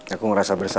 aku ngerasa bersalah